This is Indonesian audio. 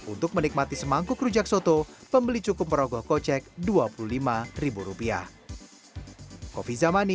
untuk menikmati semangkuk rujak soto pembeli cukup merogoh kocek rp dua puluh lima rupiah